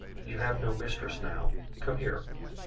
You have no mistress now. Come here.